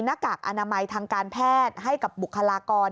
หน้ากากอนามัยทางการแพทย์ให้กับบุคลากร